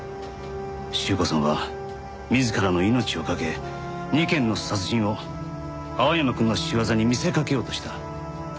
朱子さんは自らの命をかけ２件の殺人を青山くんの仕業に見せかけようとした。